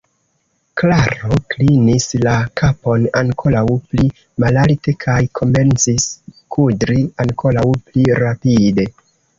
Klaro klinis la kapon ankoraŭ pli malalte kaj komencis kudri ankoraŭ pli rapide.